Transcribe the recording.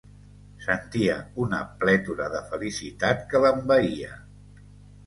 Sentia una plètora de felicitat que l'envaïa.